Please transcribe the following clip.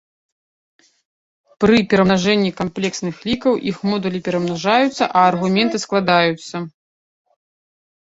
Пры перамнажэнні камплексных лікаў іх модулі перамнажаюцца, а аргументы складаюцца.